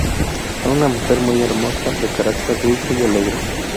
Fue una mujer muy hermosa, de carácter dulce y alegre.